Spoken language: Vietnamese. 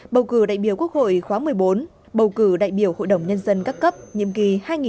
bầu cử đại biểu quốc hội khóa một mươi bốn bầu cử đại biểu hội đồng nhân dân các cấp nhiệm kỳ hai nghìn hai mươi một hai nghìn hai mươi một